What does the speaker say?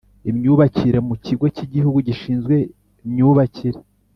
Imyubakire mu Kigo cy Igihugu Gishinzwe myubakire